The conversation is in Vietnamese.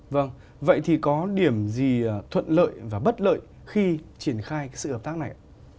vâng vậy thì có điểm gì thuận lợi và bất lợi khi triển khai sự hợp tác này ạ